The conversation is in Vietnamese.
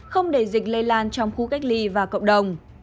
không để dịch lây lan trong khu cách ly và cộng đồng